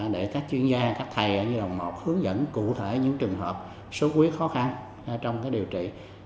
để các chuyên gia các thầy như đồng một hướng dẫn cụ thể những trường hợp sốt huyết khó khăn trong điều trị